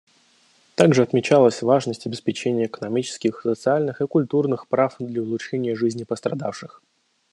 Также отмечалась важность обеспечения экономических, социальных и культурных прав для улучшения жизни пострадавших.